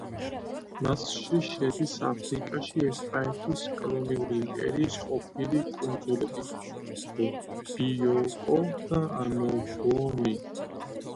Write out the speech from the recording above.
მასში შედის აფრიკაში ესპანეთის კოლონიური იმპერიის ყოფილი კუნძულები ბიოკო და ანობონი.